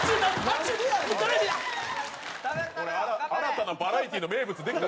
新たなバラエティーの名物できた。